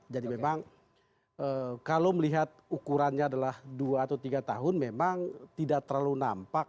jadi memang kalau melihat ukurannya adalah dua atau tiga tahun memang tidak terlalu nampak